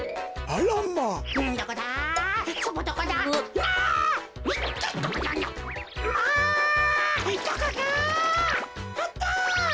あった！